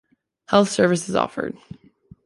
Health service is offered.